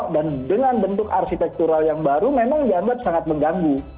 dan dengan bentuk arsitektural yang baru memang gambar sangat mengganggu